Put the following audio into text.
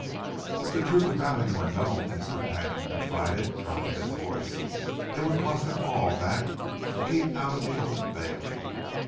"If the truth about him were known," his companion confided, dropping his voice, "it would cost him all that to keep out of the Old Bailey.